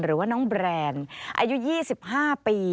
หรือว่าน้องแบรนด์อายุ๒๕ปี